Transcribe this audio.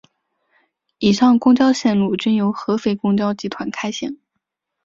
以上公交线路均由合肥公交集团开行。